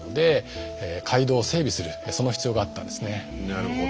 なるほど。